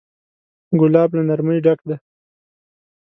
ګلاب له نرمۍ ډک دی.